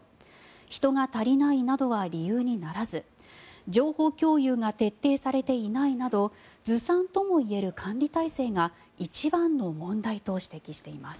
人が足りないなどは理由にならず情報共有が徹底されていないなどずさんともいえる管理体制が一番の問題と指摘しています。